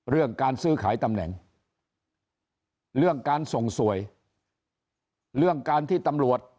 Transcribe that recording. เรื่องการซื้อขายตำแหน่งเรื่องการส่งสวยเรื่องการที่ตำรวจ